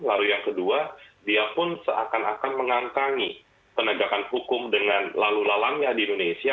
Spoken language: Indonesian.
lalu yang kedua dia pun seakan akan mengangkangi penegakan hukum dengan lalu lalangnya di indonesia